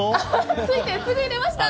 着いてすぐ入れました！